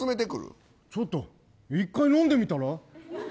ちょっと、１回飲んでみたら？